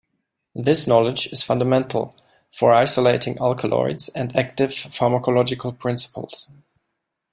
This knowledge is fundamental for isolating alkaloids and active pharmacological principles.